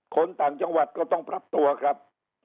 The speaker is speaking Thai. คนต่างจังหวัดก็ต้องปรับตัวครับ